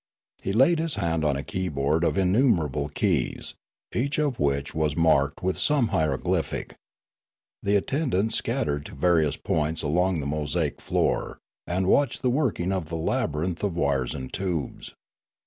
He laid his hand on a key board of in numerable keys, each of which was marked with some hieroglyphic. The attendants scattered to various points along the mosaic floor, and watched the working of the labyrinth of wires and tubes.